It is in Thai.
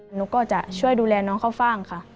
หนูก็จะช่วยดูแลน้องข้าวฟ่างค่ะ